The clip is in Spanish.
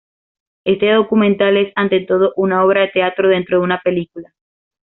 Este documental es, ante todo, una obra de teatro dentro de una película.